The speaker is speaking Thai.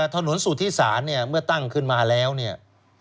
ถนนสุธิศาลเนี่ยเมื่อตั้งขึ้นมาแล้วเนี่ย